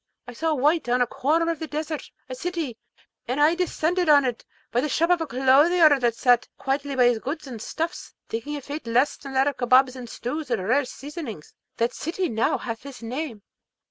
I saw white on a corner of the Desert, a city, and I descended on it by the shop of a clothier that sat quietly by his goods and stuffs, thinking of fate less than of kabobs and stews and rare seasonings. That city hath now his name.